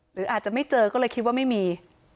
หรืออาจจะไม่เจอก็เลยคิดว่าไม่มี